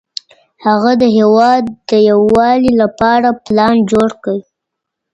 هغه د هېواد د یووالي لپاره پلان جوړ کړ.